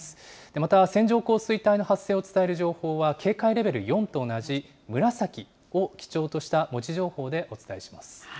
また、線状降水帯の発生を伝える情報は、警戒レベル４と同じ紫を基調とした文字情報でお伝えしま